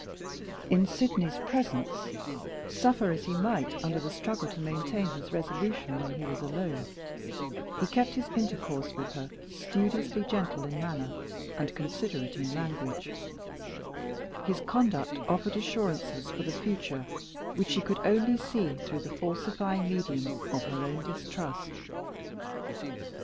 In Sydney's presence suffer as he might under the struggle to maintain his resolution when he was alone he kept his intercourse with her studiously gentle in manner, and considerate in language; his conduct offered assurances for the future which she could only see through the falsifying medium of her own distrust.